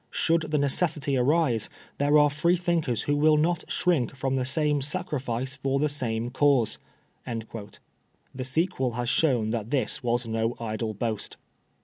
Should the necessity arise, there are Freethinkers who will not shrink from the same sacrifice for the same cause." The sequel has shown that this was no idle boast.